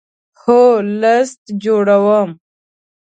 هو، لست جوړوم